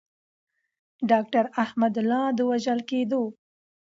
داکتر احمد الله د وژل کیدو.